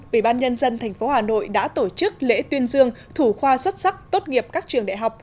ủy ban nhân dân tp hà nội đã tổ chức lễ tuyên dương thủ khoa xuất sắc tốt nghiệp các trường đại học